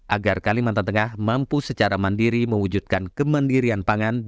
agar kalimantan tengah mampu secara mandiri mewujudkan kemandirian pangan